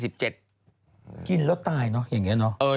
กินแล้วตายเนอะอย่างนี้เนอะ